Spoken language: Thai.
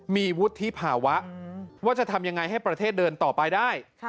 มีวุฒิภาวะว่าจะทำยังไงให้ประเทศเดินต่อไปได้